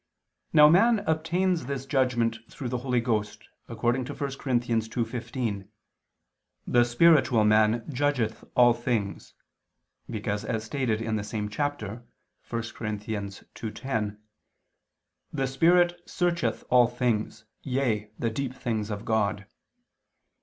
Now man obtains this judgment through the Holy Ghost, according to 1 Cor. 2:15: "The spiritual man judgeth all things," because as stated in the same chapter (1 Cor. 2:10), "the Spirit searcheth all things, yea the deep things of God."